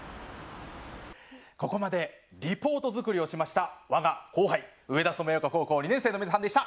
ここまでリポート作りをしました我が後輩、上田染谷丘高校２年生の皆さんでした。